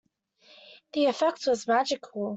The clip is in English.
The effect was magical.